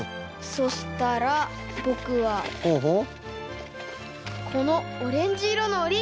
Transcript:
そしたらぼくはこのオレンジいろのおりがみで。